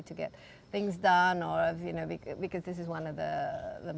apakah mudah untuk anda membuat hal hal